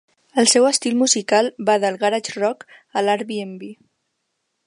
El seu estil musical va del garage rock a l'R'n'B.